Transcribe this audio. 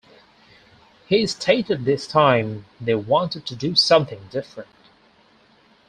He stated this time they wanted to do something different.